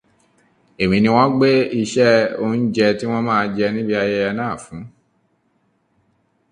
Èmi ni wọ́n gbé iṣẹ́ óúnjẹ tí wọ́n máa jẹ níbi ayẹyẹ náà fun,.